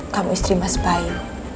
kamu istri mas bayu